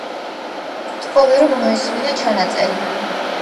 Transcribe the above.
ვთხოვე, რომ მოესმინა ჩანაწერი.